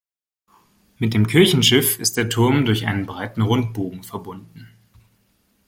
Mit dem Kirchenschiff ist der Turm durch einen breiten Rundbogen verbunden.